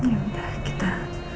ya udah kita